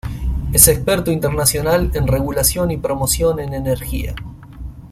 Es experto internacional en regulación y promoción en Energía.